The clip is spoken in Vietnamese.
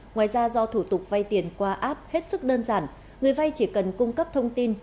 ngoài ra do thủ tục vay tiền qua app hết sức đơn giản người vay chỉ cần cung cấp thông tin